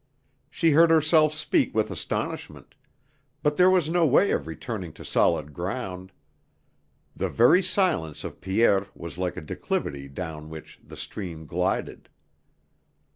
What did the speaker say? She heard herself speak with astonishment; but there was no way of returning to solid ground; the very silence of Pierre was like a declivity down which the stream glided....